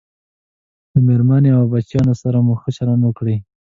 له میرمنې او بچیانو سره مو ښه چلند وکړئ